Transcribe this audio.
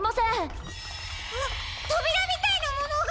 あっとびらみたいなものが！